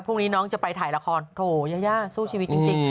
พรุ่งนี้น้องจะไปถ่ายละครโถยายาสู้ชีวิตจริง